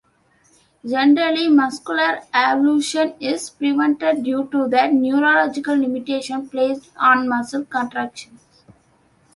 Generally muscular avulsion is prevented due to the neurological limitations placed on muscle contractions.